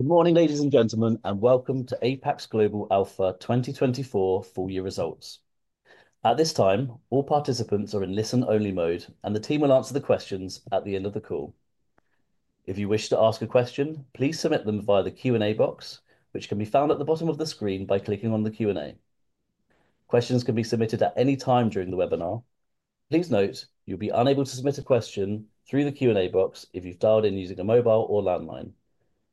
Good morning, ladies and gentlemen, and welcome to Apax Global Alpha 2024 full year results. At this time, all participants are in listen-only mode, and the team will answer the questions at the end of the call. If you wish to ask a question, please submit them via the Q&A box, which can be found at the bottom of the screen by clicking on the Q&A. Questions can be submitted at any time during the webinar. Please note you'll be unable to submit a question through the Q&A box if you've dialed in using a mobile or landline,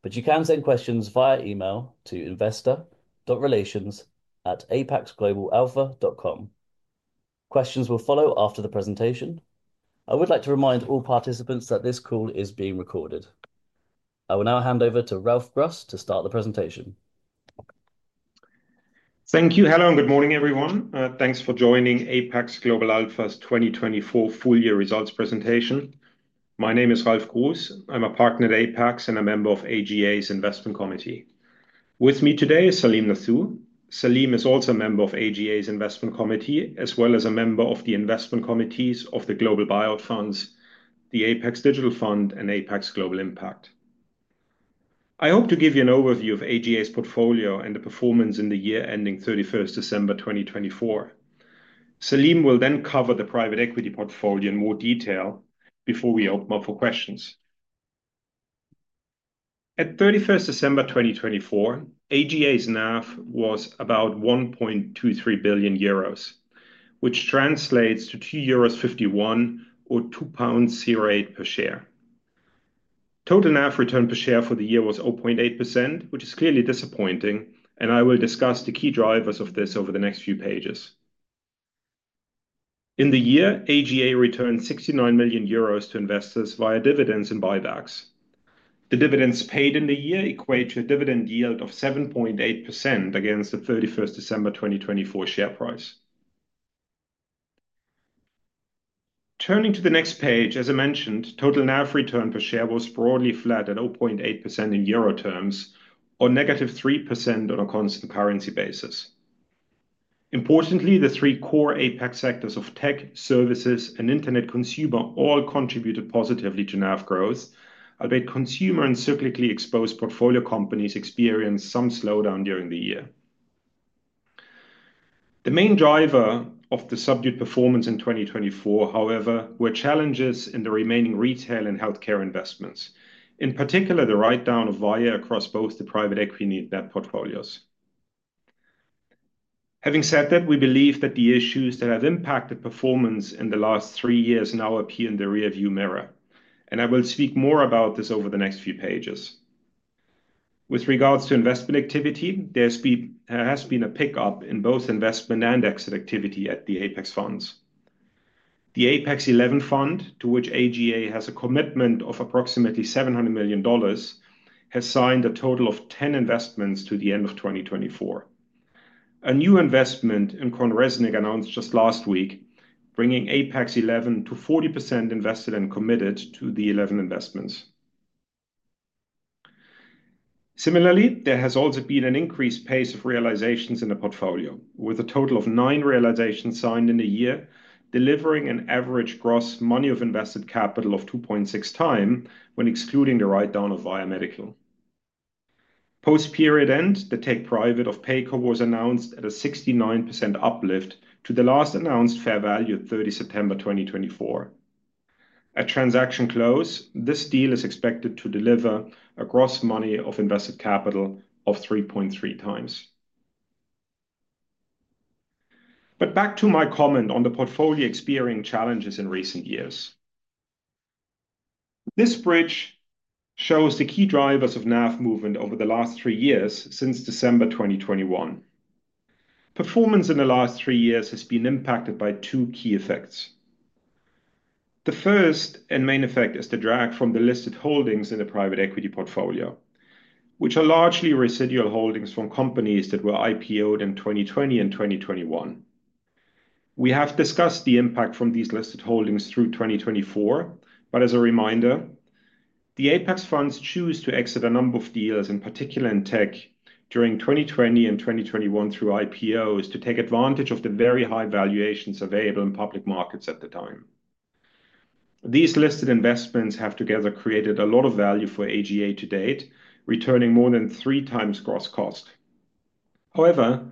but you can send questions via email to investor.relations@apaxglobalalpha.com. Questions will follow after the presentation. I would like to remind all participants that this call is being recorded. I will now hand over to Ralf Gruss to start the presentation. Thank you. Hello and good morning, everyone. Thanks for joining Apax Global Alpha's 2024 full year results presentation. My name is Ralf Gruss. I'm a partner at Apax and a member of AGA's Investment Committee. With me today is Salim Nathoo. Salim is also a member of AGA's Investment Committee, as well as a member of the investment committees of the Global Buyout funds, the Apax Digital Fund, and Apax Global Impact. I hope to give you an overview of AGA's portfolio and the performance in the year ending 31st December 2024. Salim will then cover the private equity portfolio in more detail before we open up for questions. At 31st December 2024, AGA's NAV was about 1.23 billion euros, which translates to 2.51 euros or 2.08 pounds per share. Total NAV return per share for the year was 0.8%, which is clearly disappointing, and I will discuss the key drivers of this over the next few pages. In the year, AGA returned 69 million euros to investors via dividends and buybacks. The dividends paid in the year equate to a dividend yield of 7.8% against the 31 December 2024 share price. Turning to the next page, as I mentioned, total NAV return per share was broadly flat at 0.8% in euro terms, or negative 3% on a constant currency basis. Importantly, the three core Apax sectors of tech, services, and internet consumer all contributed positively to NAV growth, albeit consumer and cyclically exposed portfolio companies experienced some slowdown during the year. The main driver of the subdued performance in 2024, however, were challenges in the remaining retail and healthcare investments, in particular the write-down of Via across both the private equity and net portfolios. Having said that, we believe that the issues that have impacted performance in the last three years now appear in the rearview mirror, and I will speak more about this over the next few pages. With regards to investment activity, there has been a pickup in both investment and exit activity at the Apax funds. The Apax XI Fund, to which AGA has a commitment of approximately $700 million, has signed a total of 10 investments to the end of 2024. A new investment in CohnReznick announced just last week, bringing Apax XI to 40% invested and committed to the 11 investments. Similarly, there has also been an increased pace of realizations in the portfolio, with a total of nine realizations signed in a year, delivering an average gross money of invested capital of 2.6 times when excluding the write-down of Via. Post-period end, the take private of Paycor was announced at a 69% uplift to the last announced fair value of 30 September 2024. At transaction close, this deal is expected to deliver a gross money of invested capital of 3.3 times. Back to my comment on the portfolio experiencing challenges in recent years. This bridge shows the key drivers of NAV movement over the last three years since December 2021. Performance in the last three years has been impacted by two key effects. The first and main effect is the drag from the listed holdings in the private equity portfolio, which are largely residual holdings from companies that were IPO'd in 2020 and 2021. We have discussed the impact from these listed holdings through 2024, but as a reminder, the Apax funds choose to exit a number of deals, in particular in tech, during 2020 and 2021 through IPOs to take advantage of the very high valuations available in public markets at the time. These listed investments have together created a lot of value for AGA to date, returning more than three times gross cost. However,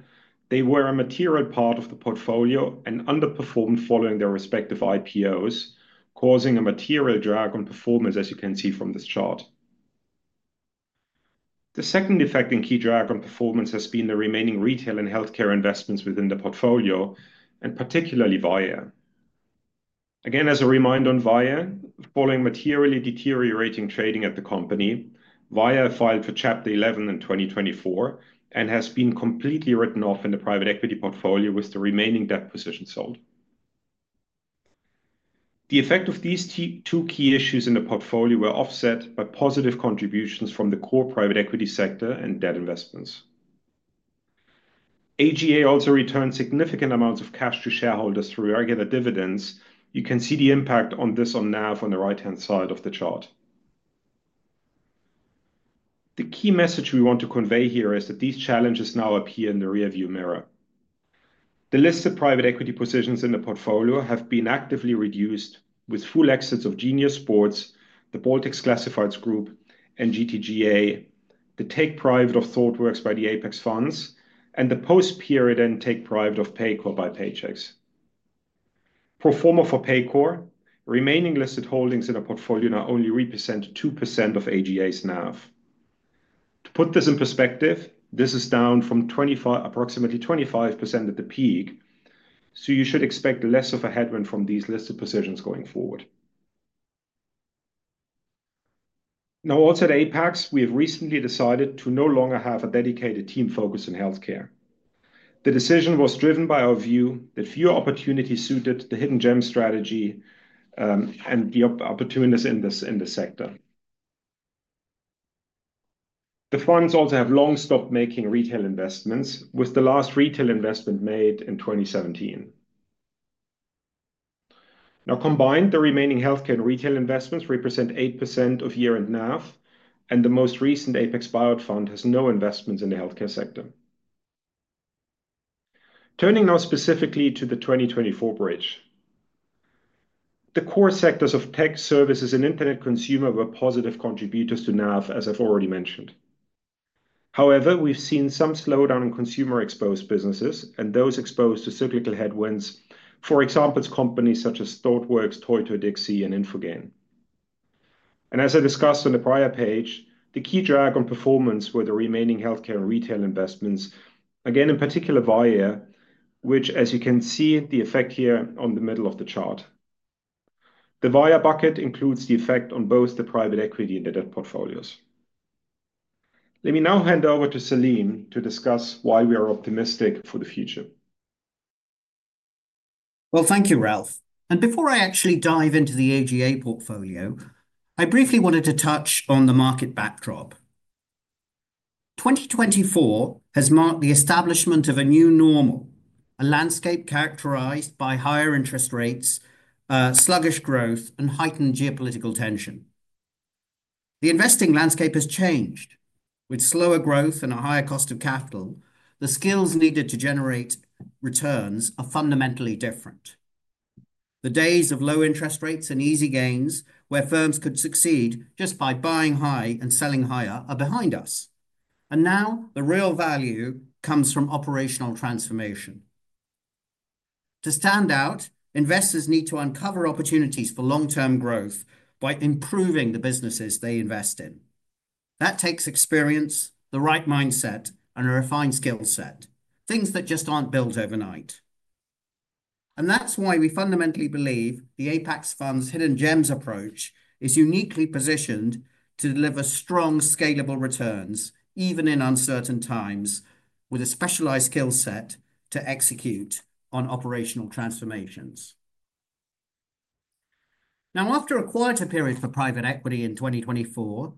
they were a material part of the portfolio and underperformed following their respective IPOs, causing a material drag on performance, as you can see from this chart. The second effect and key drag on performance has been the remaining retail and healthcare investments within the portfolio, and particularly Via. Again, as a reminder on Via, following materially deteriorating trading at the company, Via filed for Chapter 11 in 2024 and has been completely written off in the private equity portfolio with the remaining debt positions sold. The effect of these two key issues in the portfolio were offset by positive contributions from the core private equity sector and debt investments. AGA also returned significant amounts of cash to shareholders through regular dividends. You can see the impact on this on NAV on the right-hand side of the chart. The key message we want to convey here is that these challenges now appear in the rearview mirror. The listed private equity positions in the portfolio have been actively reduced with full exits of Genius Sports, the Baltic Classifieds Group and GTCR, the tech private of Thoughtworks by the Apax funds, and the post-period end tech private of Paycor by Paychex. Pro forma for Paycor, remaining listed holdings in the portfolio now only represent 2% of AGA's NAV. To put this in perspective, this is down from approximately 25% at the peak, so you should expect less of a headwind from these listed positions going forward. Now, also at Apax, we have recently decided to no longer have a dedicated team focused on healthcare. The decision was driven by our view that fewer opportunities suited the hidden gems strategy and the opportunities in this sector. The funds also have long stopped making retail investments, with the last retail investment made in 2017. Now combined, the remaining healthcare and retail investments represent 8% of year-end NAV, and the most recent Apax Global Buyout Fund has no investments in the healthcare sector. Turning now specifically to the 2024 bridge. The core sectors of tech, services, and internet consumer were positive contributors to NAV, as I've already mentioned. However, we've seen some slowdown in consumer-exposed businesses and those exposed to cyclical headwinds, for example, companies such as Thoughtworks, Toi Toi Dixi, and Infogain. As I discussed on the prior page, the key drag on performance were the remaining healthcare and retail investments, again, in particular Via, which, as you can see, the effect here on the middle of the chart. The Via bucket includes the effect on both the private equity and the debt portfolios. Let me now hand over to Salim to discuss why we are optimistic for the future. Thank you, Ralf. Before I actually dive into the AGA portfolio, I briefly wanted to touch on the market backdrop. 2024 has marked the establishment of a new normal, a landscape characterized by higher interest rates, sluggish growth, and heightened geopolitical tension. The investing landscape has changed. With slower growth and a higher cost of capital, the skills needed to generate returns are fundamentally different. The days of low interest rates and easy gains, where firms could succeed just by buying high and selling higher, are behind us. Now the real value comes from operational transformation. To stand out, investors need to uncover opportunities for long-term growth by improving the businesses they invest in. That takes experience, the right mindset, and a refined skill set, things that just aren't built overnight. That is why we fundamentally believe the Apax funds' hidden gems approach is uniquely positioned to deliver strong, scalable returns, even in uncertain times, with a specialized skill set to execute on operational transformations. Now, after a quieter period for private equity in 2024,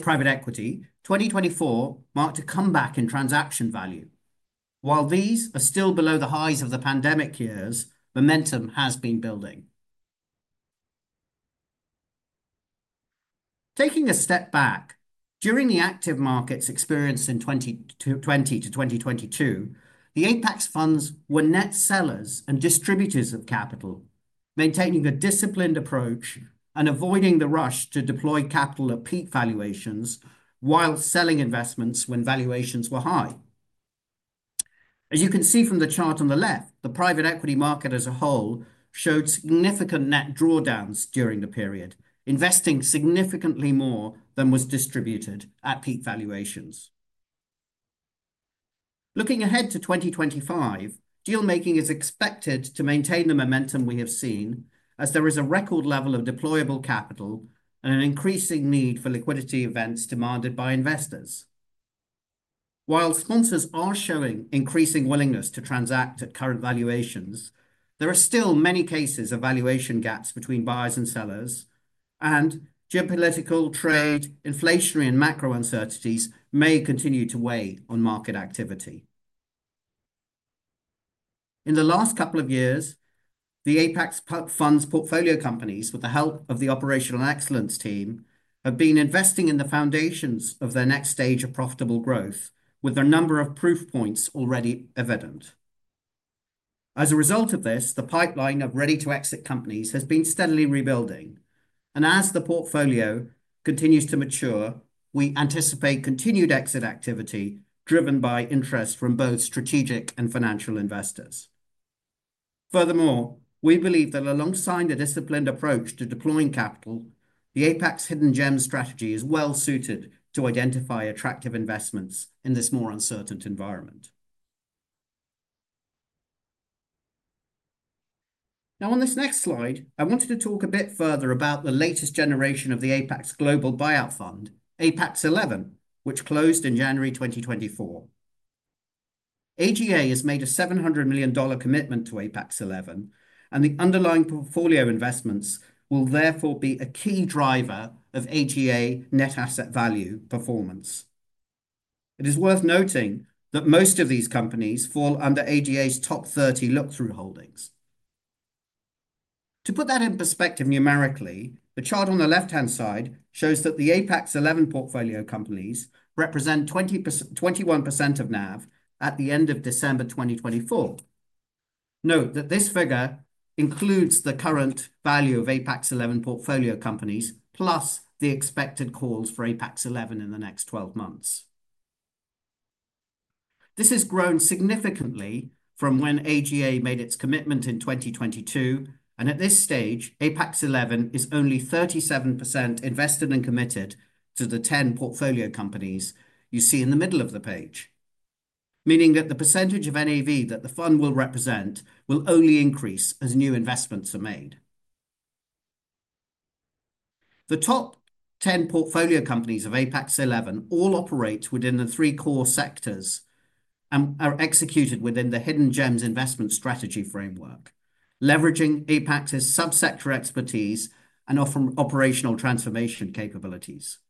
private equity 2024 marked a comeback in transaction value. While these are still below the highs of the pandemic years, momentum has been building. Taking a step back, during the active markets experienced in 2020 to 2022, the Apax funds were net sellers and distributors of capital, maintaining a disciplined approach and avoiding the rush to deploy capital at peak valuations while selling investments when valuations were high. As you can see from the chart on the left, the private equity market as a whole showed significant net drawdowns during the period, investing significantly more than was distributed at peak valuations. Looking ahead to 2025, dealmaking is expected to maintain the momentum we have seen, as there is a record level of deployable capital and an increasing need for liquidity events demanded by investors. While sponsors are showing increasing willingness to transact at current valuations, there are still many cases of valuation gaps between buyers and sellers, and geopolitical trade, inflationary, and macro uncertainties may continue to weigh on market activity. In the last couple of years, the Apax fund's portfolio companies, with the help of the operational excellence team, have been investing in the foundations of their next stage of profitable growth, with their number of proof points already evident. As a result of this, the pipeline of ready-to-exit companies has been steadily rebuilding. As the portfolio continues to mature, we anticipate continued exit activity driven by interest from both strategic and financial investors. Furthermore, we believe that alongside a disciplined approach to deploying capital, the Apax hidden gem strategy is well suited to identify attractive investments in this more uncertain environment. Now, on this next slide, I wanted to talk a bit further about the latest generation of the Apax Global Buyout Fund, Apax XI, which closed in January 2024. AGA has made a $700 million commitment to Apax XI, and the underlying portfolio investments will therefore be a key driver of AGA net asset value performance. It is worth noting that most of these companies fall under AGA's top 30 look-through holdings. To put that in perspective numerically, the chart on the left-hand side shows that the Apax XI portfolio companies represent 21% of NAV at the end of December 2024. Note that this figure includes the current value of Apax XI portfolio companies plus the expected calls for Apax XI in the next 12 months. This has grown significantly from when AGA made its commitment in 2022, and at this stage, Apax XI is only 37% invested and committed to the 10 portfolio companies you see in the middle of the page, meaning that the percentage of NAV that the fund will represent will only increase as new investments are made. The top 10 portfolio companies of Apax XI all operate within the three core sectors and are executed within the hidden gems investment strategy framework, leveraging Apax's subsector expertise and offering operational transformation capabilities.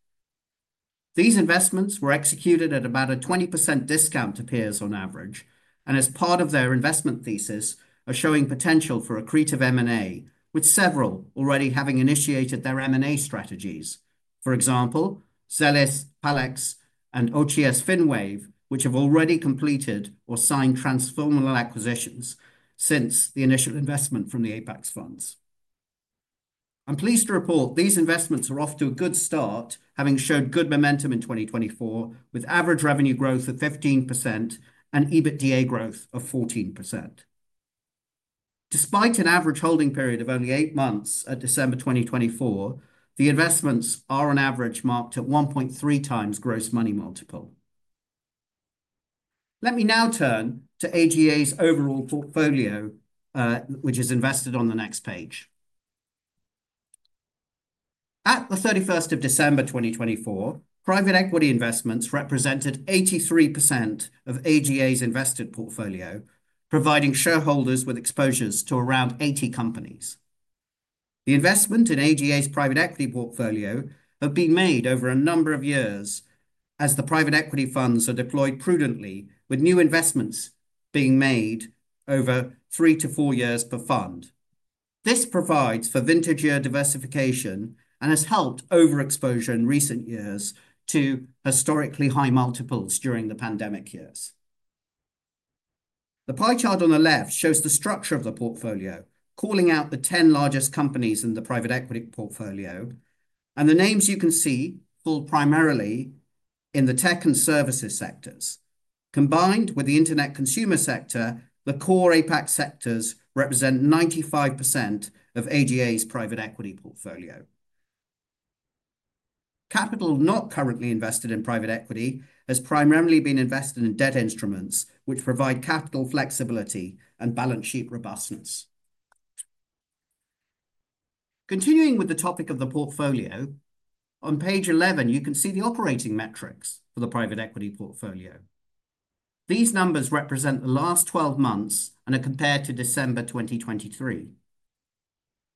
These investments were executed at about a 20% discount to peers on average, and as part of their investment thesis, are showing potential for accretive M&A, with several already having initiated their M&A strategies. For example, Zellis, Palex, and OTS Finwave, which have already completed or signed transformational acquisitions since the initial investment from the Apax funds. I'm pleased to report these investments are off to a good start, having showed good momentum in 2024, with average revenue growth of 15% and EBITDA growth of 14%. Despite an average holding period of only eight months at December 2024, the investments are on average marked at 1.3 times gross money multiple. Let me now turn to AGA's overall portfolio, which is invested on the next page. At the 31st of December 2024, private equity investments represented 83% of AGA's invested portfolio, providing shareholders with exposures to around 80 companies. The investment in AGA's private equity portfolio has been made over a number of years as the private equity funds are deployed prudently, with new investments being made over three to four years per fund. This provides for vintage year diversification and has helped overexposure in recent years to historically high multiples during the pandemic years. The pie chart on the left shows the structure of the portfolio, calling out the 10 largest companies in the private equity portfolio, and the names you can see fall primarily in the tech and services sectors. Combined with the internet consumer sector, the core Apax sectors represent 95% of AGA's private equity portfolio. Capital not currently invested in private equity has primarily been invested in debt instruments, which provide capital flexibility and balance sheet robustness. Continuing with the topic of the portfolio, on page 11, you can see the operating metrics for the private equity portfolio. These numbers represent the last 12 months and are compared to December 2023.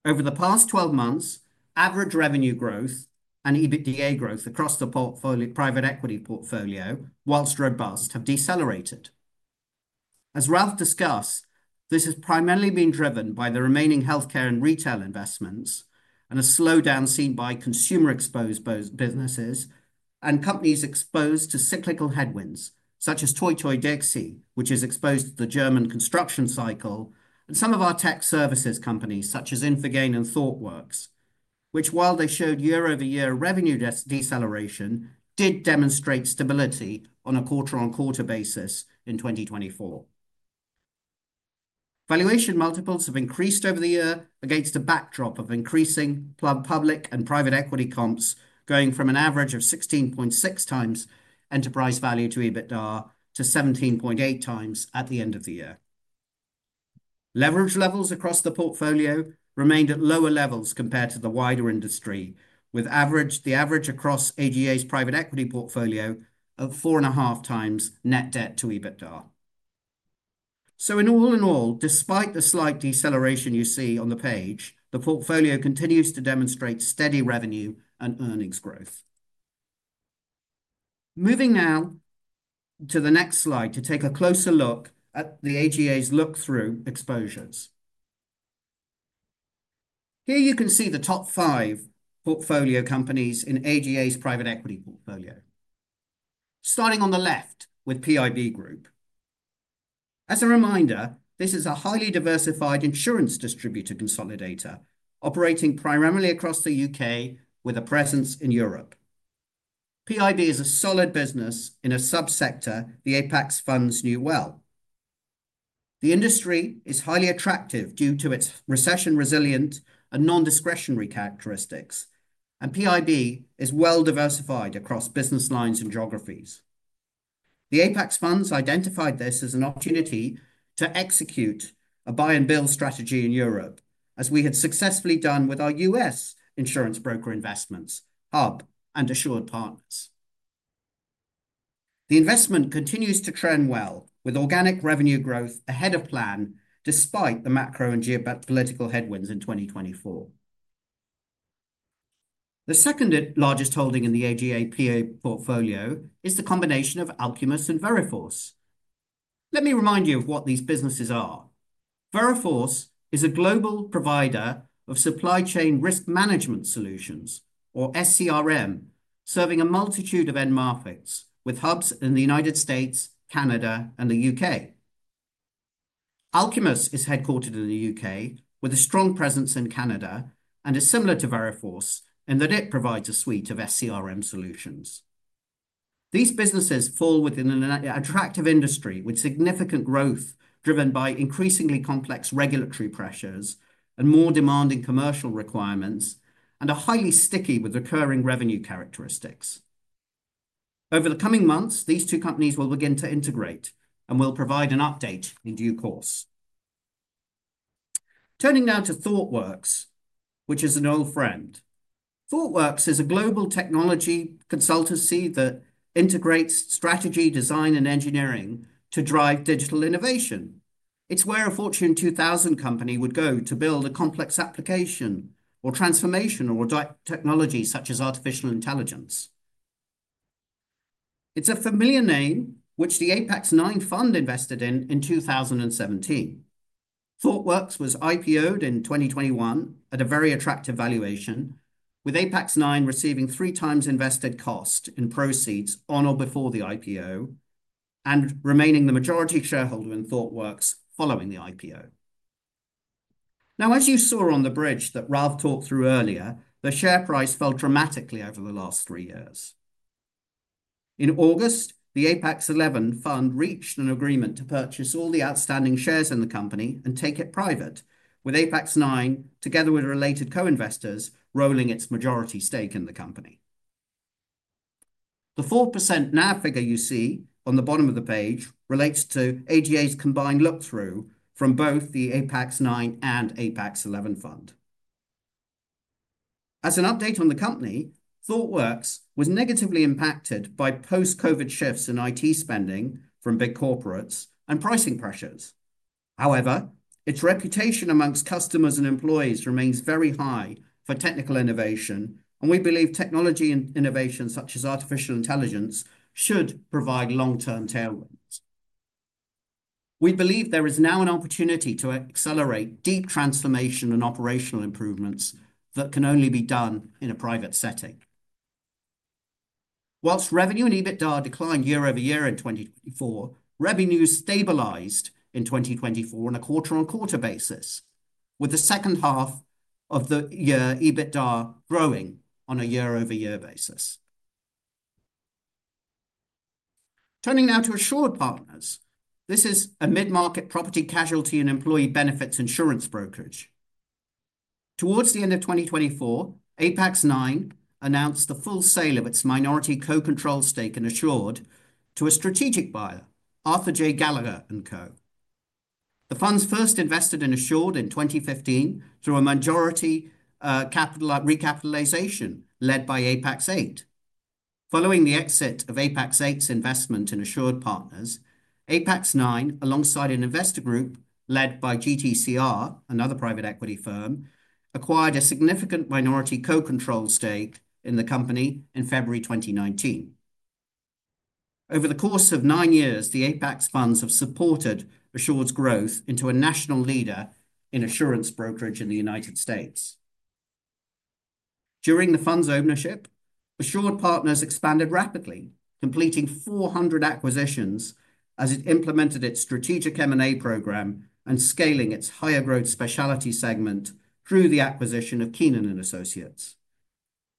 Over the past 12 months, average revenue growth and EBITDA growth across the private equity portfolio, whilst robust, have decelerated. As Ralf discussed, this has primarily been driven by the remaining healthcare and retail investments and a slowdown seen by consumer-exposed businesses and companies exposed to cyclical headwinds, such as Toi Toi, Dixi, which is exposed to the German construction cycle, and some of our tech services companies, such as Infogain and Thoughtworks, which, while they showed year-over-year revenue deceleration, did demonstrate stability on a quarter-on-quarter basis in 2024. Valuation multiples have increased over the year against a backdrop of increasing public and private equity comps going from an average of 16.6 times enterprise value to EBITDA to 17.8 times at the end of the year. Leverage levels across the portfolio remained at lower levels compared to the wider industry, with the average across AGA's private equity portfolio of four and a half times net debt to EBITDA. All in all, despite the slight deceleration you see on the page, the portfolio continues to demonstrate steady revenue and earnings growth. Moving now to the next slide to take a closer look at AGA's look-through exposures. Here you can see the top five portfolio companies in AGA's private equity portfolio, starting on the left with PIB Group. As a reminder, this is a highly diversified insurance distributor consolidator operating primarily across the U.K., with a presence in Europe. PIB is a solid business in a subsector the Apax funds knew well. The industry is highly attractive due to its recession-resilient and non-discretionary characteristics, and PIB is well diversified across business lines and geographies. The Apax funds identified this as an opportunity to execute a buy-and-build strategy in Europe, as we had successfully done with our US insurance broker investments, HUB and AssuredPartners. The investment continues to trend well, with organic revenue growth ahead of plan, despite the macro and geopolitical headwinds in 2024. The second largest holding in the AGA PA portfolio is the combination of Alchemist and Veriforce. Let me remind you of what these businesses are. Veriforce is a global provider of supply chain risk management solutions, or SCRM, serving a multitude of end markets with hubs in the United States, Canada, and the U.K. Alchemist is headquartered in the U.K., with a strong presence in Canada and is similar to Veriforce in that it provides a suite of SCRM solutions. These businesses fall within an attractive industry with significant growth driven by increasingly complex regulatory pressures and more demanding commercial requirements, and are highly sticky with recurring revenue characteristics. Over the coming months, these two companies will begin to integrate and will provide an update in due course. Turning now to Thoughtworks, which is an old friend. Thoughtworks is a global technology consultancy that integrates strategy, design, and engineering to drive digital innovation. It's where a Fortune 2000 company would go to build a complex application or transformation or technology such as artificial intelligence. It's a familiar name, which the Apax IX fund invested in in 2017. Thoughtworks was IPO'd in 2021 at a very attractive valuation, with Apax IX receiving three times invested cost in proceeds on or before the IPO and remaining the majority shareholder in Thoughtworks following the IPO. Now, as you saw on the bridge that Ralf talked through earlier, the share price fell dramatically over the last three years. In August, the Apax XI fund reached an agreement to purchase all the outstanding shares in the company and take it private, with Apax IX, together with related co-investors, rolling its majority stake in the company. The 4% NAV figure you see on the bottom of the page relates to AGA's combined look-through from both the Apax IX and Apax XI fund. As an update on the company, Thoughtworks was negatively impacted by post-COVID shifts in IT spending from big corporates and pricing pressures. However, its reputation amongst customers and employees remains very high for technical innovation, and we believe technology and innovation such as artificial intelligence should provide long-term tailwinds. We believe there is now an opportunity to accelerate deep transformation and operational improvements that can only be done in a private setting. Whilst revenue and EBITDA declined year over year in 2024, revenues stabilized in 2024 on a quarter-on-quarter basis, with the second half of the year EBITDA growing on a year-over-year basis. Turning now to AssuredPartners, this is a mid-market property casualty and employee benefits insurance brokerage. Towards the end of 2024, Apax IX announced the full sale of its minority co-controlled stake in Assured to a strategic buyer, Arthur J. Gallagher & Co. The funds first invested in Assured in 2015 through a majority capital recapitalization led by Apax VIII. Following the exit of Apax VIII's investment in AssuredPartners, Apax IX, alongside an investor group led by GTCR, another private equity firm, acquired a significant minority co-controlled stake in the company in February 2019. Over the course of nine years, the Apax funds have supported Assured's growth into a national leader in insurance brokerage in the United States. During the fund's ownership, AssuredPartners expanded rapidly, completing 400 acquisitions as it implemented its strategic M&A program and scaling its higher-growth specialty segment through the acquisition of Keenan & Associates.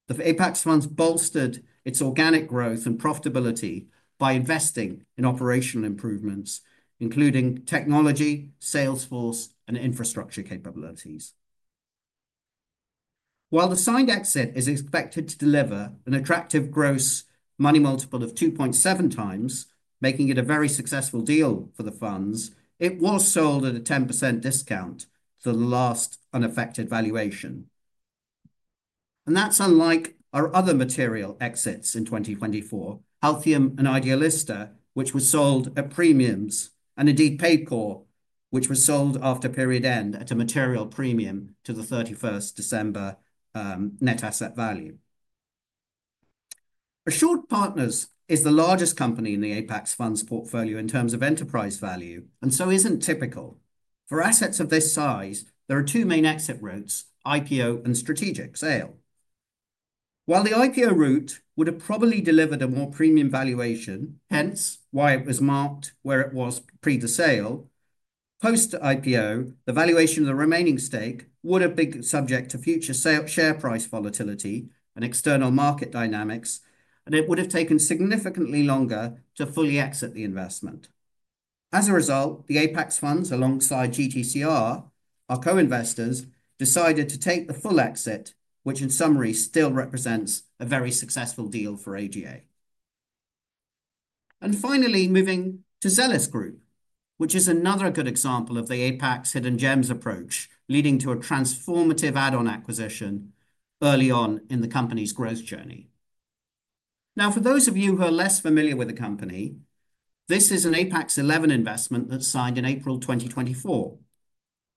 The Apax funds bolstered its organic growth and profitability by investing in operational improvements, including technology, salesforce, and infrastructure capabilities. While the signed exit is expected to deliver an attractive gross money multiple of 2.7 times, making it a very successful deal for the funds, it was sold at a 10% discount to the last unaffected valuation. That is unlike our other material exits in 2024, Healthium and idealista, which were sold at premiums, and indeed Paycor, which was sold after period end at a material premium to the 31 December net asset value. AssuredPartners is the largest company in the Apax funds portfolio in terms of enterprise value, and so is not typical. For assets of this size, there are two main exit routes: IPO and strategic sale. While the IPO route would have probably delivered a more premium valuation, hence why it was marked where it was pre-disale, post-IPO, the valuation of the remaining stake would have been subject to future share price volatility and external market dynamics, and it would have taken significantly longer to fully exit the investment. As a result, the Apax funds, alongside GTCR, our co-investors, decided to take the full exit, which in summary still represents a very successful deal for AGA. Finally, moving to Zellis Group, which is another good example of the Apax hidden gems approach leading to a transformative add-on acquisition early on in the company's growth journey. Now, for those of you who are less familiar with the company, this is an Apax XI investment that is signed in April 2024.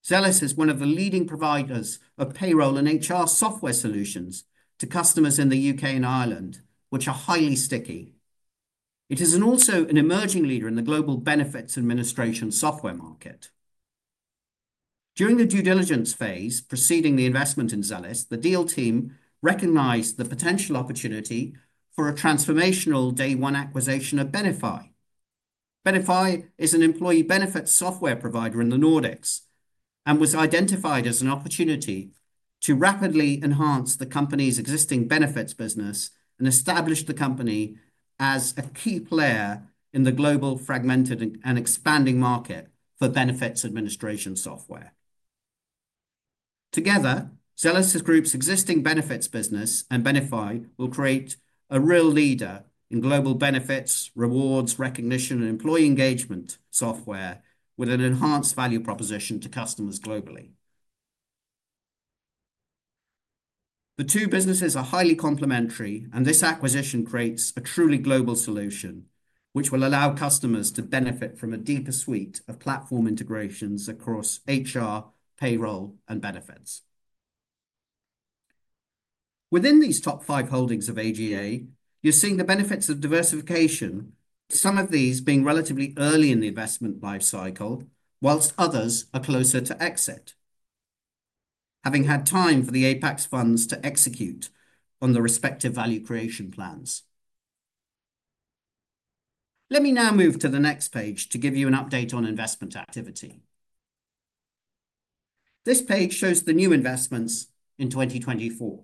Zellis is one of the leading providers of payroll and HR software solutions to customers in the U.K. and Ireland, which are highly sticky. It is also an emerging leader in the global benefits administration software market. During the due diligence phase preceding the investment in Zellis, the deal team recognized the potential opportunity for a transformational day-one acquisition of Benify. Benify is an employee benefits software provider in the Nordics and was identified as an opportunity to rapidly enhance the company's existing benefits business and establish the company as a key player in the global fragmented and expanding market for benefits administration software. Together, Zellis Group's existing benefits business and Benify will create a real leader in global benefits, rewards, recognition, and employee engagement software with an enhanced value proposition to customers globally. The two businesses are highly complementary, and this acquisition creates a truly global solution, which will allow customers to benefit from a deeper suite of platform integrations across HR, payroll, and benefits. Within these top five holdings of AGA, you're seeing the benefits of diversification, some of these being relatively early in the investment life cycle, whilst others are closer to exit, having had time for the Apax funds to execute on the respective value creation plans. Let me now move to the next page to give you an update on investment activity. This page shows the new investments in 2024.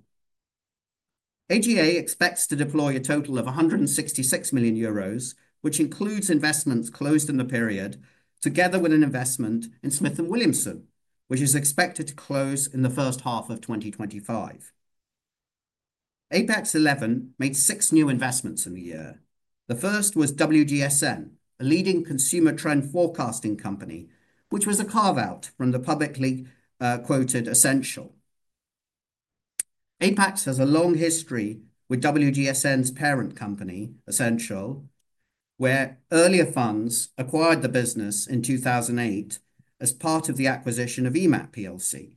AGA expects to deploy a total of 166 million euros, which includes investments closed in the period, together with an investment in Smith & Williamson, which is expected to close in the first half of 2025. Apax XI made six new investments in the year. The first was WGSN, a leading consumer trend forecasting company, which was a carve-out from the publicly quoted Essential. APAX has a long history with WGSN's parent company, Essential, where earlier funds acquired the business in 2008 as part of the acquisition of EMAP PLC.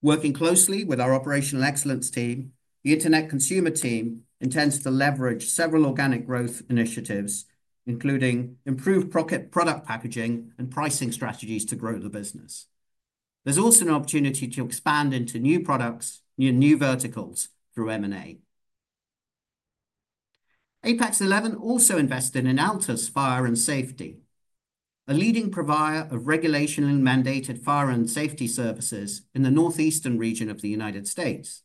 Working closely with our operational excellence team, the internet consumer team intends to leverage several organic growth initiatives, including improved product packaging and pricing strategies to grow the business. There's also an opportunity to expand into new products and new verticals through M&A. Apax XI also invested in Altus Fire and Safety, a leading provider of regulation and mandated fire and safety services in the northeastern region of the United States.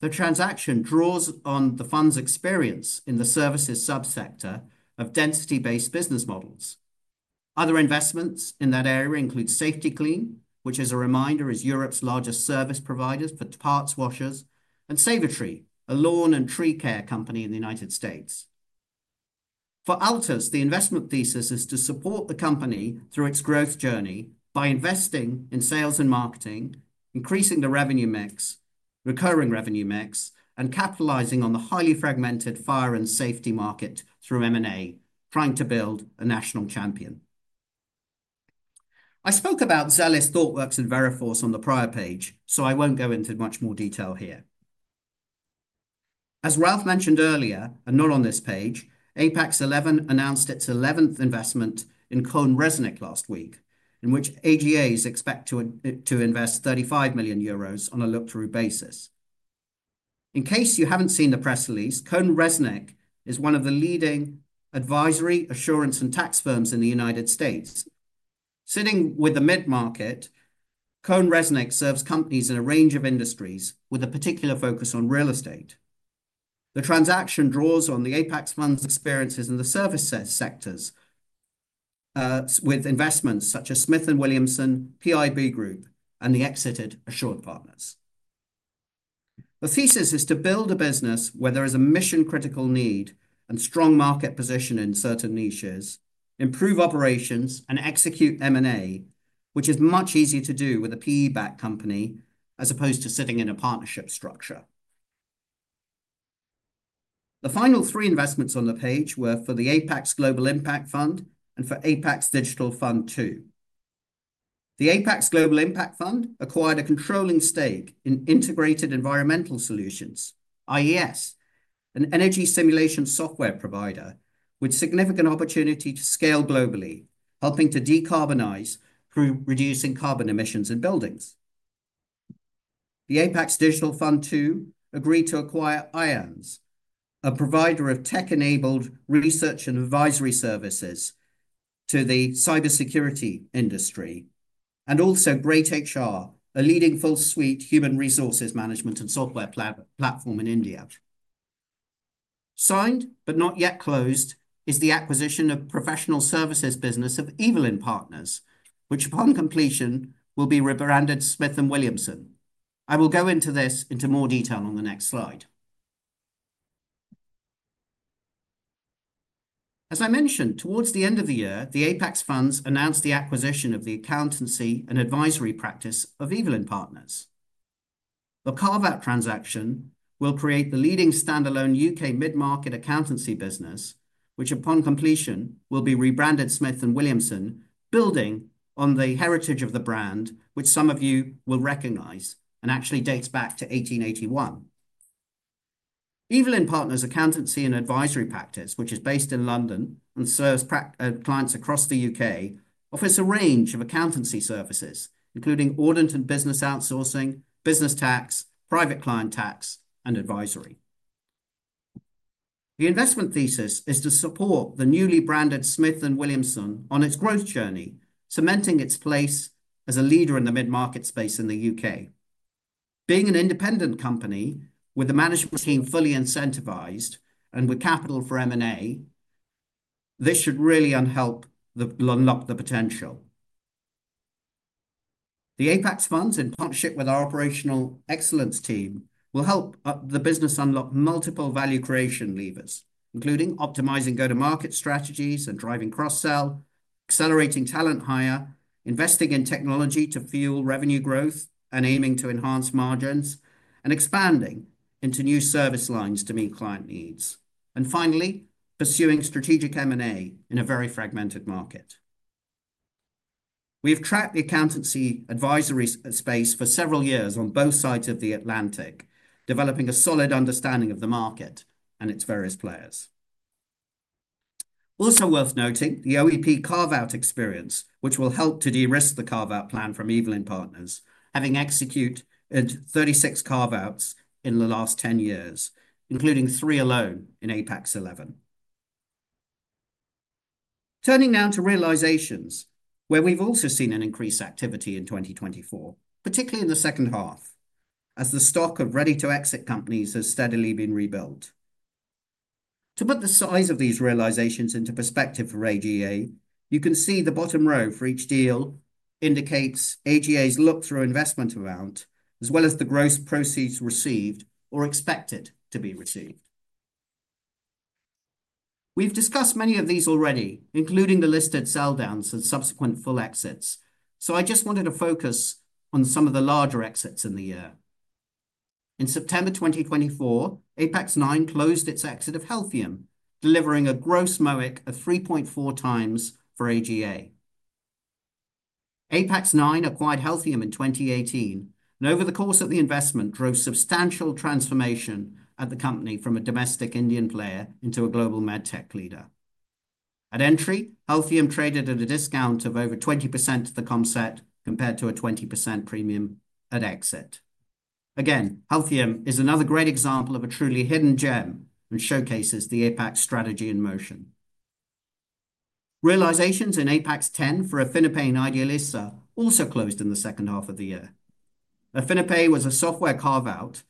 The transaction draws on the fund's experience in the services subsector of density-based business models. Other investments in that area include Safety-Kleen, which, as a reminder, is Europe's largest service provider for parts washers, and SavATree, a lawn and tree care company in the United States. For Altus, the investment thesis is to support the company through its growth journey by investing in sales and marketing, increasing the recurring revenue mix, and capitalizing on the highly fragmented fire and safety market through M&A, trying to build a national champion. I spoke about Zellis, Thoughtworks, and Veriforce on the prior page, so I won't go into much more detail here. As Ralf mentioned earlier, and not on this page, Apax XI announced its 11th investment in CohnReznick last week, in which AGA is expected to invest 35 million euros on a look-through basis. In case you haven't seen the press release, CohnReznick is one of the leading advisory, assurance, and tax firms in the United States. Sitting with the mid-market, CohnReznick serves companies in a range of industries with a particular focus on real estate. The transaction draws on the Apax funds' experiences in the service sectors with investments such as Smith & Williamson, PIB Group, and the exited AssuredPartners. The thesis is to build a business where there is a mission-critical need and strong market position in certain niches, improve operations, and execute M&A, which is much easier to do with a PE-backed company as opposed to sitting in a partnership structure. The final three investments on the page were for the Apax Global Impact Fund and for Apax Digital Fund II. The Apax Global Impact Fund acquired a controlling stake in Integrated Environmental Solutions, IES, an energy simulation software provider with significant opportunity to scale globally, helping to decarbonize through reducing carbon emissions in buildings. The Apax Digital Fund II agreed to acquire IONS, a provider of tech-enabled research and advisory services to the cybersecurity industry, and also Great HR, a leading full-suite human resources management and software platform in India. Signed, but not yet closed, is the acquisition of professional services business of Evelyn Partners, which, upon completion, will be rebranded Smith & Williamson. I will go into this into more detail on the next slide. As I mentioned, towards the end of the year, the Apax funds announced the acquisition of the accountancy and advisory practice of Evelyn Partners. The carve-out transaction will create the leading standalone U.K. mid-market accountancy business, which, upon completion, will be rebranded Smith & Williamson, building on the heritage of the brand, which some of you will recognize and actually dates back to 1881. Evelyn Partners' accountancy and advisory practice, which is based in London and serves clients across the U.K., offers a range of accountancy services, including audit and business outsourcing, business tax, private client tax, and advisory. The investment thesis is to support the newly branded Smith & Williamson on its growth journey, cementing its place as a leader in the mid-market space in the U.K. Being an independent company with a management team fully incentivized and with capital for M&A, this should really unlock the potential. The Apax funds, in partnership with our operational excellence team, will help the business unlock multiple value creation levers, including optimizing go-to-market strategies and driving cross-sell, accelerating talent hire, investing in technology to fuel revenue growth and aiming to enhance margins, and expanding into new service lines to meet client needs. Finally, pursuing strategic M&A in a very fragmented market. We have tracked the accountancy advisory space for several years on both sides of the Atlantic, developing a solid understanding of the market and its various players. Also worth noting, the OEP carve-out experience, which will help to de-risk the carve-out plan from Evelyn Partners, having executed 36 carve-outs in the last 10 years, including three alone in Apax XI. Turning now to realizations, where we've also seen increased activity in 2024, particularly in the second half, as the stock of ready-to-exit companies has steadily been rebuilt. To put the size of these realizations into perspective for AGA, you can see the bottom row for each deal indicates AGA's look-through investment amount, as well as the gross proceeds received or expected to be received. We have discussed many of these already, including the listed sell-downs and subsequent full exits, so I just wanted to focus on some of the larger exits in the year. In September 2024, Apax IX closed its exit of Healthium, delivering a gross MOIC of 3.4 times for AGA. Apax IX acquired Healthium in 2018, and over the course of the investment, drove substantial transformation at the company from a domestic Indian player into a global med tech leader. At entry, Healthium traded at a discount of over 20% of the comp set compared to a 20% premium at exit. Again, Healthium is another great example of a truly hidden gem and showcases the Apax strategy in motion. Realizations in Apax X for AffiniPay and idealista also closed in the second half of the year. AffiniPay was a software carve-out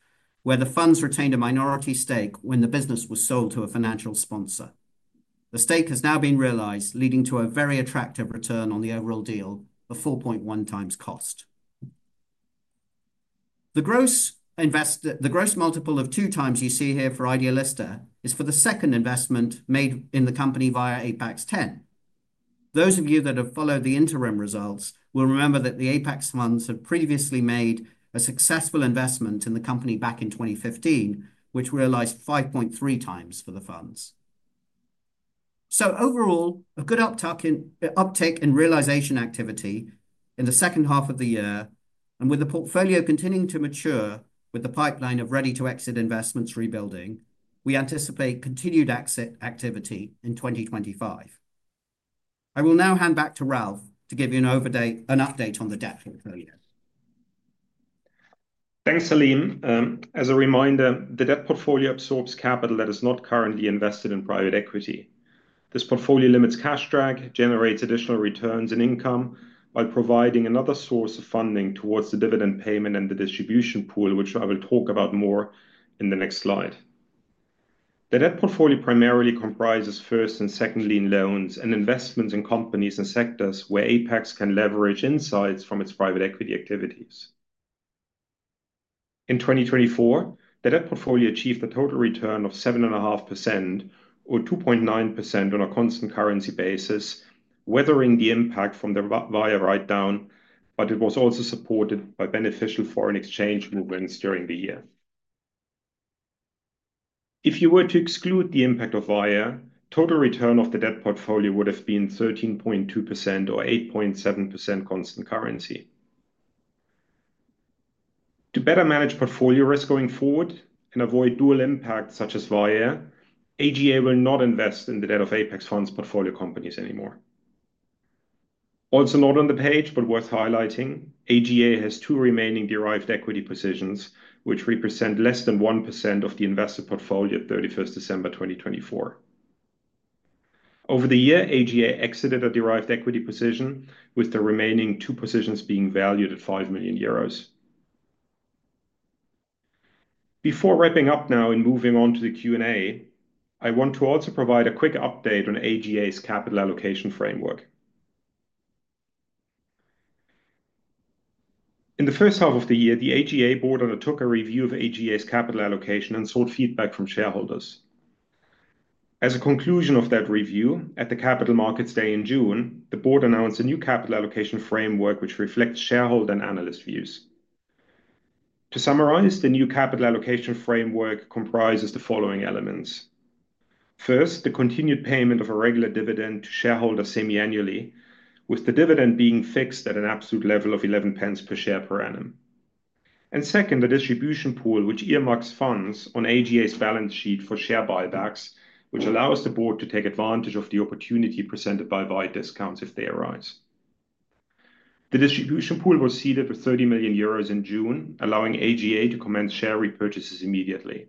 where the funds retained a minority stake when the business was sold to a financial sponsor. The stake has now been realized, leading to a very attractive return on the overall deal of 4.1 times cost. The gross multiple of 2 times you see here for idealista is for the second investment made in the company via Apax X. Those of you that have followed the interim results will remember that the Apax funds had previously made a successful investment in the company back in 2015, which realized 5.3 times for the funds. Overall, a good uptake in realization activity in the second half of the year, and with the portfolio continuing to mature with the pipeline of ready-to-exit investments rebuilding, we anticipate continued exit activity in 2025. I will now hand back to Ralf to give you an update on the debt portfolio. Thanks, Salim. As a reminder, the debt portfolio absorbs capital that is not currently invested in private equity. This portfolio limits cash drag, generates additional returns and income by providing another source of funding towards the dividend payment and the distribution pool, which I will talk about more in the next slide. The debt portfolio primarily comprises first and second-line loans and investments in companies and sectors where Apax can leverage insights from its private equity activities. In 2024, the debt portfolio achieved a total return of 7.5% or 2.9% on a constant currency basis, weathering the impact from the Via write-down, but it was also supported by beneficial foreign exchange movements during the year. If you were to exclude the impact of Via, total return of the debt portfolio would have been 13.2% or 8.7% constant currency. To better manage portfolio risk going forward and avoid dual impacts such as Via, AGA will not invest in the debt of Apax funds portfolio companies anymore. Also not on the page, but worth highlighting, AGA has two remaining derived equity positions, which represent less than 1% of the invested portfolio at 31 December 2024. Over the year, AGA exited a derived equity position, with the remaining two positions being valued at 5 million euros. Before wrapping up now and moving on to the Q&A, I want to also provide a quick update on AGA's capital allocation framework. In the first half of the year, the AGA board undertook a review of AGA's capital allocation and sought feedback from shareholders. As a conclusion of that review, at the capital markets day in June, the board announced a new capital allocation framework, which reflects shareholder and analyst views. To summarize, the new capital allocation framework comprises the following elements. First, the continued payment of a regular dividend to shareholders semi-annually, with the dividend being fixed at an absolute level of 0.11 per share per annum. Second, the distribution pool, which earmarks funds on AGA's balance sheet for share buybacks, which allows the board to take advantage of the opportunity presented by NAV discounts if they arise. The distribution pool was seeded with 30 million euros in June, allowing AGA to commence share repurchases immediately.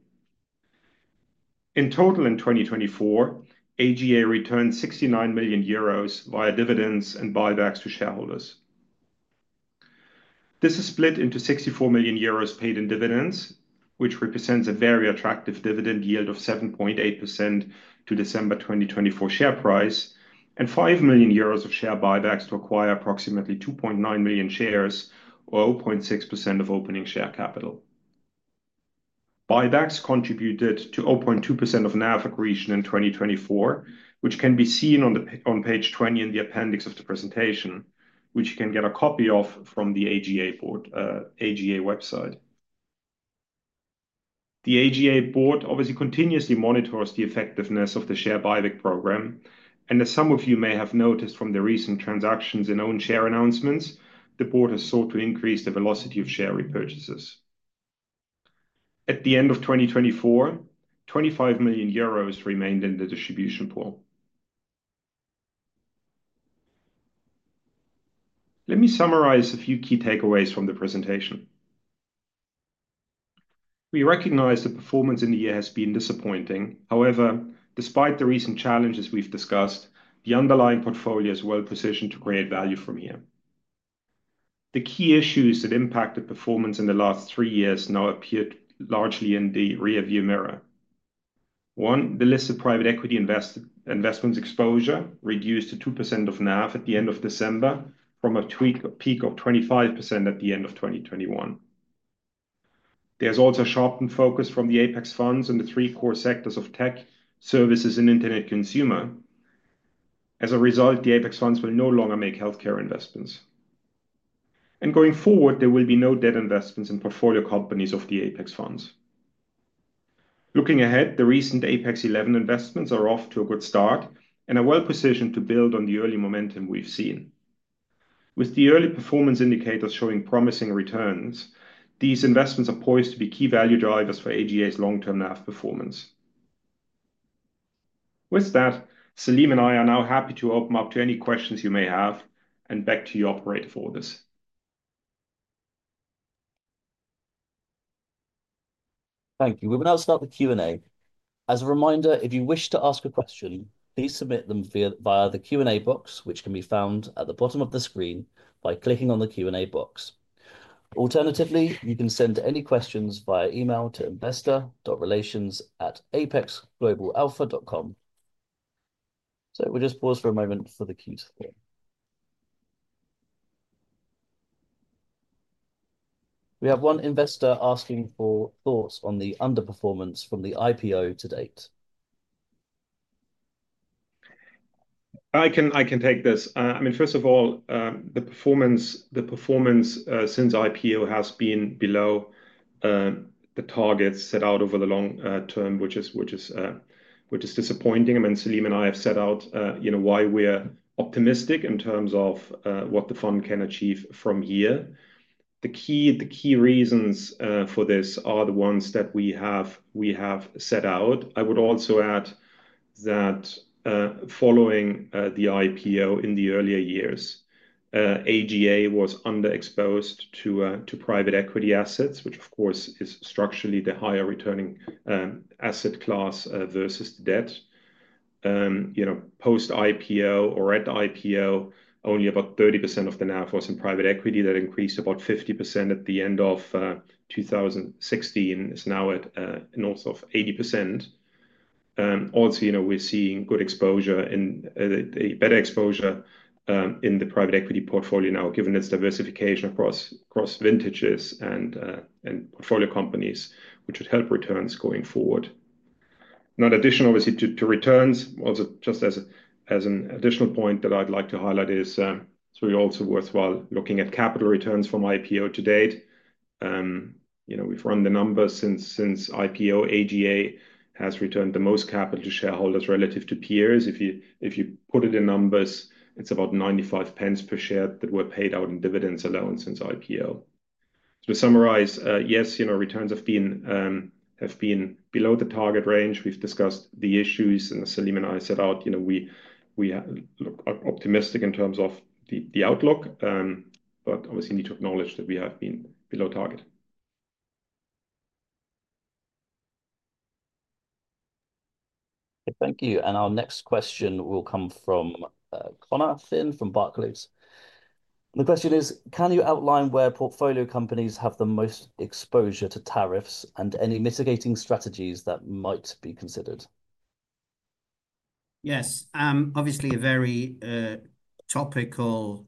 In total, in 2024, AGA returned 69 million euros via dividends and buybacks to shareholders. This is split into 64 million euros paid in dividends, which represents a very attractive dividend yield of 7.8% to December 2024 share price, and 5 million euros of share buybacks to acquire approximately 2.9 million shares or 0.6% of opening share capital. Buybacks contributed to 0.2% of NAV accretion in 2024, which can be seen on page 20 in the appendix of the presentation, which you can get a copy of from the AGA website. The AGA board obviously continuously monitors the effectiveness of the share buyback program, and as some of you may have noticed from the recent transactions and own share announcements, the board has sought to increase the velocity of share repurchases. At the end of 2024, 25 million euros remained in the distribution pool. Let me summarize a few key takeaways from the presentation. We recognize the performance in the year has been disappointing. However, despite the recent challenges we've discussed, the underlying portfolio is well positioned to create value from here. The key issues that impacted performance in the last three years now appear largely in the rearview mirror. One, the listed private equity investments exposure reduced to 2% of NAV at the end of December from a peak of 25% at the end of 2021. There's also a sharpened focus from the Apax funds on the three core sectors of tech, services, and internet consumer. As a result, the Apax funds will no longer make healthcare investments. Going forward, there will be no debt investments in portfolio companies of the Apax funds. Looking ahead, the recent Apax XI investments are off to a good start and are well positioned to build on the early momentum we've seen. With the early performance indicators showing promising returns, these investments are poised to be key value drivers for AGA's long-term NAV performance. With that, Salim and I are now happy to open up to any questions you may have, and back to you, Operator, for this. Thank you. We will now start the Q&A. As a reminder, if you wish to ask a question, please submit them via the Q&A box, which can be found at the bottom of the screen by clicking on the Q&A box. Alternatively, you can send any questions via email to investor.relations@apaxglobalalpha.com. We will just pause for a moment for the Q to form. We have one investor asking for thoughts on the underperformance from the IPO to date. I can take this. I mean, first of all, the performance since IPO has been below the targets set out over the long term, which is disappointing. I mean, Salim and I have set out why we're optimistic in terms of what the fund can achieve from here. The key reasons for this are the ones that we have set out. I would also add that following the IPO in the earlier years, AGA was underexposed to private equity assets, which, of course, is structurally the higher returning asset class versus the debt. Post-IPO or at IPO, only about 30% of the NAV was in private equity. That increased to about 50% at the end of 2016. It's now at north of 80%. Also, we're seeing good exposure, better exposure in the private equity portfolio now, given its diversification across vintages and portfolio companies, which would help returns going forward. An additional, obviously, to returns, also just as an additional point that I'd like to highlight is, it's also worthwhile looking at capital returns from IPO to date. We've run the numbers since IPO, AGA has returned the most capital to shareholders relative to peers. If you put it in numbers, it's about 0.95 per share that were paid out in dividends alone since IPO. To summarize, yes, returns have been below the target range. We've discussed the issues, and Salim and I set out, we are optimistic in terms of the outlook, but obviously need to acknowledge that we have been below target. Thank you. Our next question will come from Conor Finn from Barclays. The question is, can you outline where portfolio companies have the most exposure to tariffs and any mitigating strategies that might be considered? Yes, obviously a very topical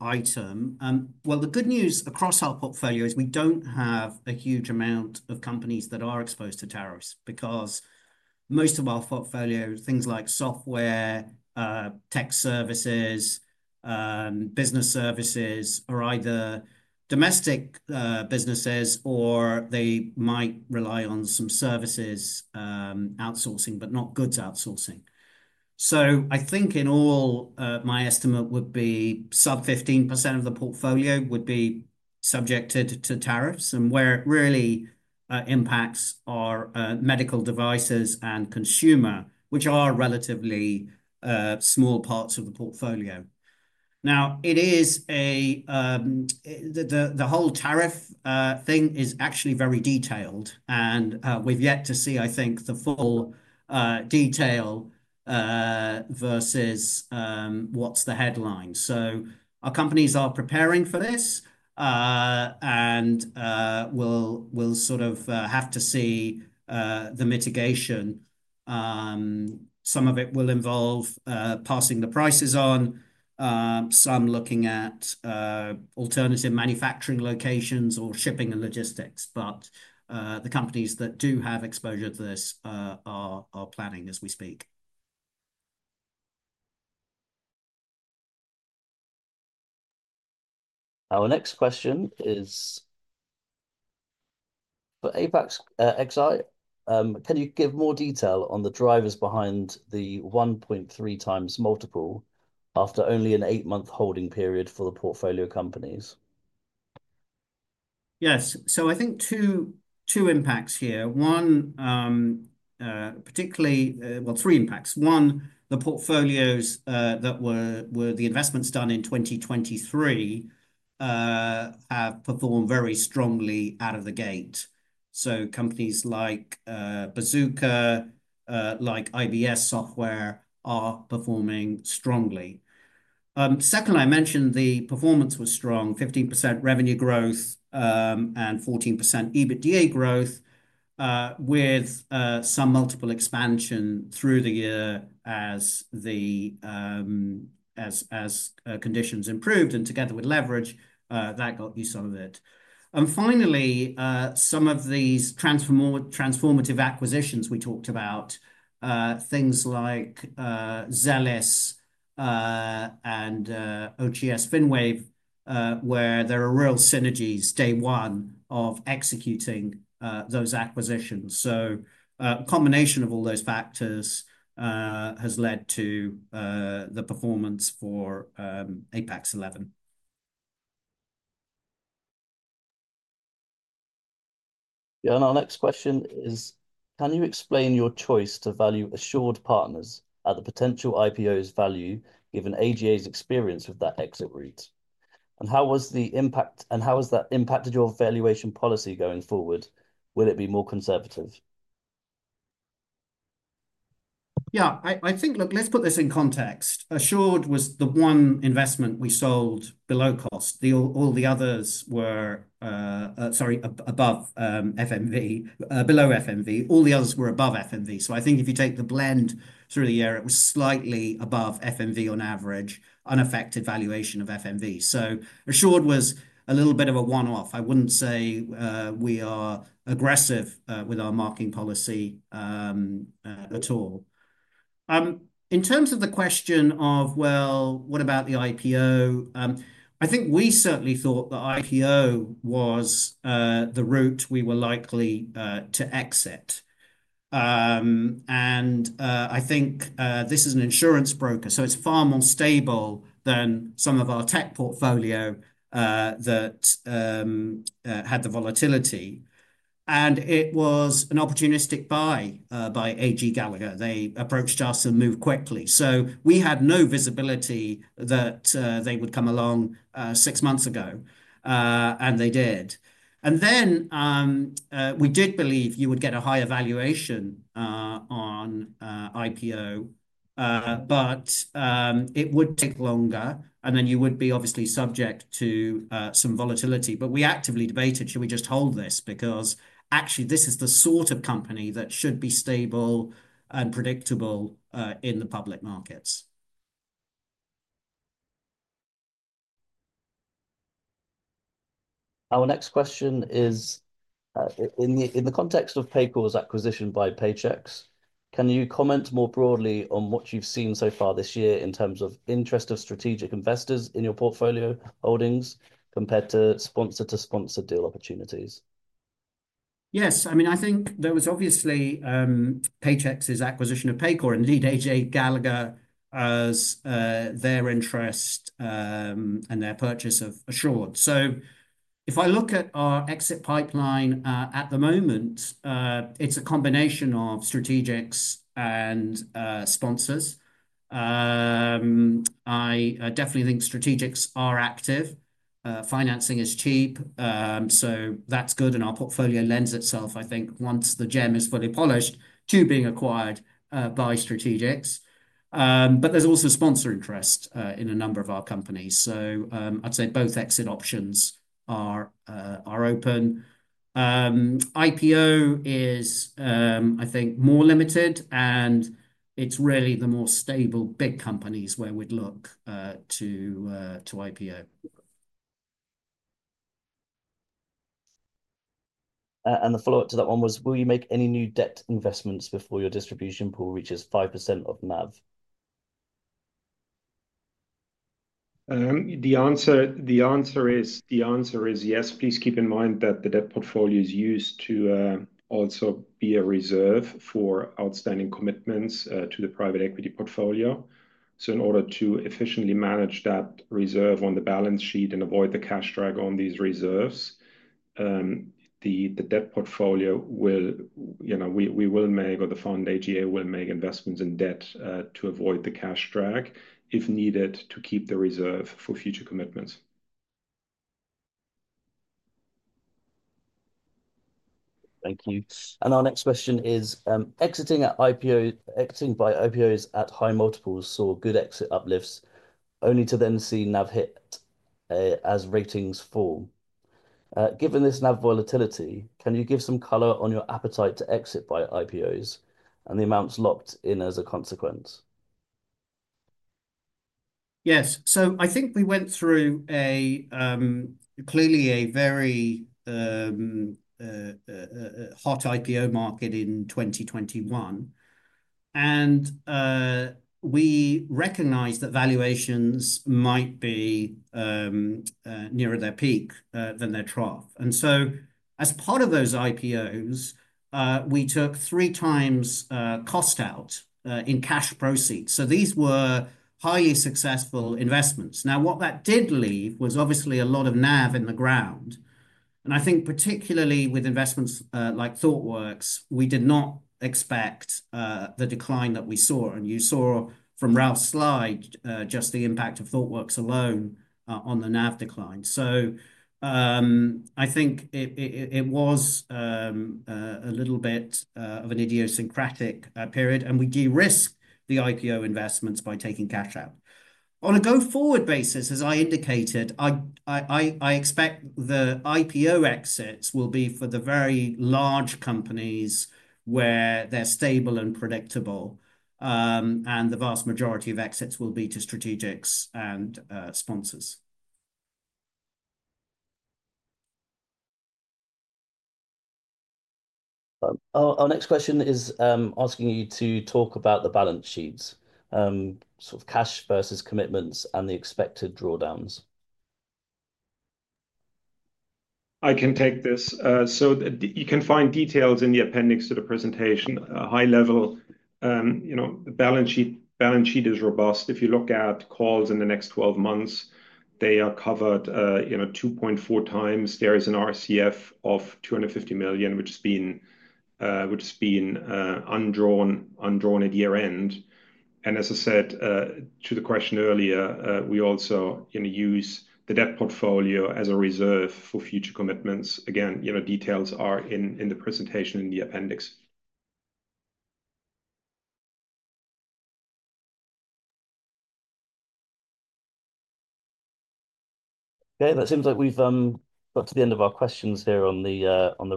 item. The good news across our portfolio is we do not have a huge amount of companies that are exposed to tariffs because most of our portfolio, things like software, tech services, business services, are either domestic businesses or they might rely on some services outsourcing, but not goods outsourcing. I think in all, my estimate would be sub 15% of the portfolio would be subjected to tariffs and where it really impacts are medical devices and consumer, which are relatively small parts of the portfolio. Now, the whole tariff thing is actually very detailed, and we have yet to see, I think, the full detail versus what is the headline. Our companies are preparing for this, and we will sort of have to see the mitigation. Some of it will involve passing the prices on, some looking at alternative manufacturing locations or shipping and logistics, but the companies that do have exposure to this are planning as we speak. Our next question is, for Apax exit, can you give more detail on the drivers behind the 1.3 times multiple after only an eight-month holding period for the portfolio companies? Yes. I think two impacts here. One, particularly, well, three impacts. One, the portfolios that were the investments done in 2023 have performed very strongly out of the gate. Companies like Bazooka, like IBS Software are performing strongly. Second, I mentioned the performance was strong, 15% revenue growth and 14% EBITDA growth with some multiple expansion through the year as conditions improved and together with leverage, that got you some of it. Finally, some of these transformative acquisitions we talked about, things like Zellis and OGS Finwave, where there are real synergies day one of executing those acquisitions. A combination of all those factors has led to the performance for Apax XI. Yeah. Our next question is, can you explain your choice to value AssuredPartners at the potential IPO's value given AGA's experience with that exit rate? How was the impact, and how has that impacted your valuation policy going forward? Will it be more conservative? Yeah, I think, look, let's put this in context. Assured was the one investment we sold below cost. All the others were, sorry, above FMV, below FMV. All the others were above FMV. I think if you take the blend through the year, it was slightly above FMV on average, unaffected valuation of FMV. Assured was a little bit of a one-off. I would not say we are aggressive with our marking policy at all. In terms of the question of, well, what about the IPO? I think we certainly thought the IPO was the route we were likely to exit. I think this is an insurance broker, so it is far more stable than some of our tech portfolio that had the volatility. It was an opportunistic buy by Arthur J. Gallagher & Co. They approached us and moved quickly. We had no visibility that they would come along six months ago, and they did. We did believe you would get a higher valuation on IPO, but it would take longer, and you would be obviously subject to some volatility. We actively debated, should we just hold this? Because actually, this is the sort of company that should be stable and predictable in the public markets. Our next question is, in the context of Paycor's acquisition by Paychex, can you comment more broadly on what you've seen so far this year in terms of interest of strategic investors in your portfolio holdings compared to sponsor-to-sponsor deal opportunities? Yes. I mean, I think there was obviously Paychex's acquisition of Paycor and lead Arthur J. Gallagher & Co.'s interest and their purchase of AssuredPartners. If I look at our exit pipeline at the moment, it's a combination of strategics and sponsors. I definitely think strategics are active. Financing is cheap, so that's good, and our portfolio lends itself, I think, once the gem is fully polished, to being acquired by strategics. There is also sponsor interest in a number of our companies. I'd say both exit options are open. IPO is, I think, more limited, and it's really the more stable big companies where we'd look to IPO. The follow-up to that one was, will you make any new debt investments before your distribution pool reaches 5% of NAV? The answer is yes. Please keep in mind that the debt portfolio is used to also be a reserve for outstanding commitments to the private equity portfolio. In order to efficiently manage that reserve on the balance sheet and avoid the cash drag on these reserves, the debt portfolio will, we will make or the fund AGA will make investments in debt to avoid the cash drag if needed to keep the reserve for future commitments. Thank you. Our next question is, exiting by IPOs at high multiples saw good exit uplifts, only to then see NAV hit as ratings fall. Given this NAV volatility, can you give some color on your appetite to exit by IPOs and the amounts locked in as a consequence? Yes. I think we went through clearly a very hot IPO market in 2021, and we recognized that valuations might be nearer their peak than their trough. As part of those IPOs, we took three times cost out in cash proceeds. These were highly successful investments. What that did leave was obviously a lot of NAV in the ground. I think particularly with investments like Thoughtworks, we did not expect the decline that we saw. You saw from Ralf's slide just the impact of Thoughtworks alone on the NAV decline. I think it was a little bit of an idiosyncratic period, and we de-risk the IPO investments by taking cash out. On a go-forward basis, as I indicated, I expect the IPO exits will be for the very large companies where they're stable and predictable, and the vast majority of exits will be to strategics and sponsors. Our next question is asking you to talk about the balance sheets, sort of cash versus commitments and the expected drawdowns. I can take this. You can find details in the appendix to the presentation, high level. The balance sheet is robust. If you look at calls in the next 12 months, they are covered 2.4 times. There is an RCF of $250 million, which has been undrawn at year-end. As I said to the question earlier, we also use the debt portfolio as a reserve for future commitments. Details are in the presentation in the appendix. Okay. That seems like we have got to the end of our questions here on the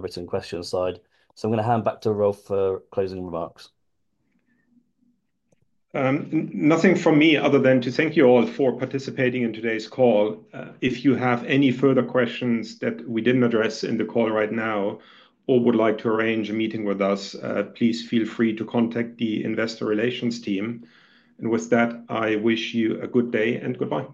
written question side. I am going to hand back to Ralf for closing remarks. Nothing from me other than to thank you all for participating in today's call. If you have any further questions that we did not address in the call right now or would like to arrange a meeting with us, please feel free to contact the investor relations team. With that, I wish you a good day and goodbye.